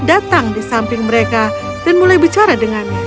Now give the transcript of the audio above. datang di samping mereka dan mulai bicara dengannya